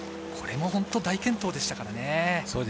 これも大健闘でしたからね。